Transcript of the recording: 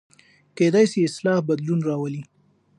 کېدای سي اصلاح بدلون راولي.